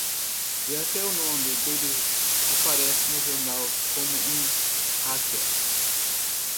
E até o nome dele aparece no jornal como um hacker.